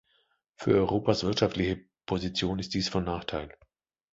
Für Europas wirtschaftliche Position ist dies von Nachteil.